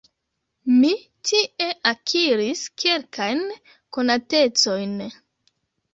Mi tie akiris kelkajn konatecojn.